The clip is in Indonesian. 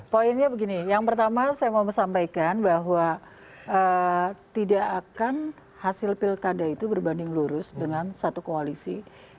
poinnya begini yang pertama saya mau sampaikan bahwa tidak akan hasil pilkada itu berbanding lurus dengan satu koalisi